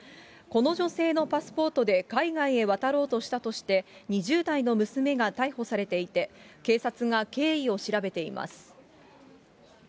この女性のパスポートで海外へ渡ろうとしたとして、２０代の娘が逮捕されていて、警察が経緯を調べています。